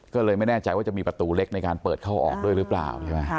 ก็เลยไม่แน่ใจว่าจะมีประตูเล็กในการเปิดเข้าออกด้วยหรือเปล่าใช่ไหม